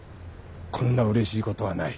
こんな嬉しいことはない。